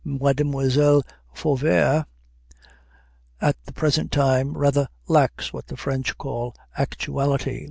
Mademoiselle Favart at the present time rather lacks what the French call "actuality."